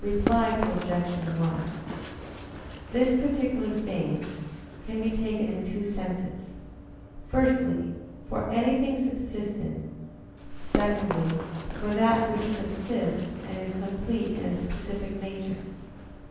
Reply Obj. 1: "This particular thing" can be taken in two senses. Firstly, for anything subsistent; secondly, for that which subsists, and is complete in a specific nature.